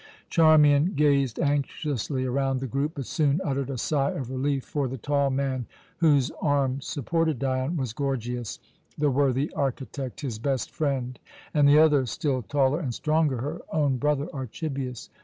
Charmian gazed anxiously around the group, but soon uttered a sigh of relief; for the tall man whose arm supported Dion was Gorgias, the worthy architect, his best friend, and the other, still taller and stronger, her own brother Archibius.